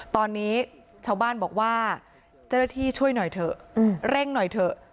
ตอนนี้ชาวบ้านบอกว่าเจ้าหน้าที่ช่วยหน่อยเถอะเร่งหน่อยเถอะ